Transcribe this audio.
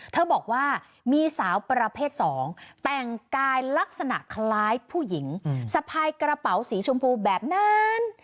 เธอบอกว่ามีสาวประเภท๒แต่งกายลักษณะคล้ายผู้หญิงสะพายกระเป๋าสีชมพูแบบนั้น